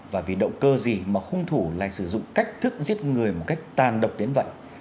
và vì động cơ gì mà hung thủ lại sử dụng cách thức giết người một cách tàn độc đến vậy